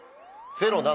０７。